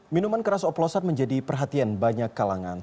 minuman keras oplosan menjadi perhatian banyak kalangan